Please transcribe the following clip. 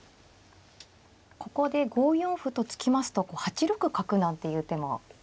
ここで５四歩と突きますと８六角なんていう手も。